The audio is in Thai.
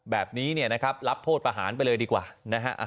แบบนี้เนี่ยนะครับรับโทษประหารไปเลยดีกว่านะฮะ